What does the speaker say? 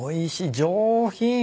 上品。